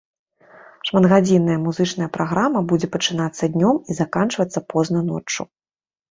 Шматгадзінная музычная праграма будзе пачынацца днём і заканчвацца позна ноччу.